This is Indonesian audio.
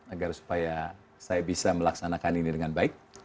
agar supaya saya bisa melaksanakan ini dengan baik